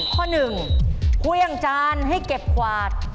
ข้อหนึ่งเครื่องจานให้เก็บกวาด